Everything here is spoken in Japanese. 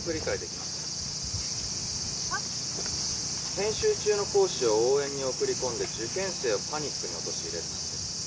研修中の講師を応援に送り込んで受験生をパニックに陥れるなんて。